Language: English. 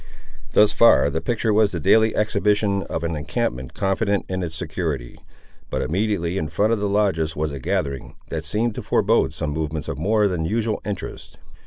Thus far the picture was the daily exhibition of an encampment confident in its security. But immediately in front of the lodges was a gathering, that seemed to forbode some movements of more than usual interest.